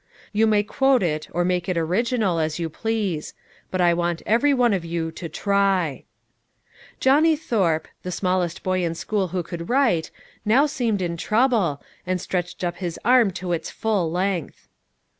You may quote it, or make it original, as you please; but I want every one of you to try." Johnny Thorpe, the smallest boy in school who could write, now seemed in trouble, and stretched up his arm to its full length.